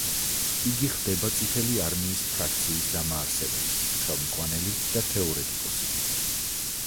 იგი ხდება წითელი არმიის ფრაქციის დამაარსებელი, ხელმძღვანელი და თეორეტიკოსი.